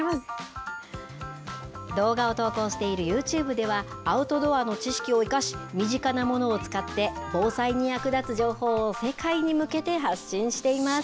動画を投稿しているＹｏｕＴｕｂｅでは、アウトドアの知識を生かし、身近なものを使って、防災に役立つ情報を世界に向けて発信しています。